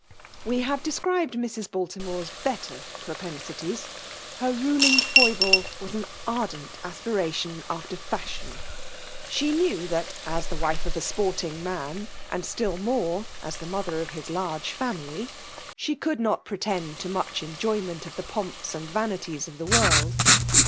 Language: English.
We hare described Mrs. Baltimore's better pn^nsities: her ruling foible was an ardent ampliation after fashion. She knew that, as ^ trife of a sjKnrting man, and still more as Smother of his laxge family,8he could nolpia. 4Z FEMALE DOMIKATIOir. tend to much enjoyment of the pomps and vanities of the world.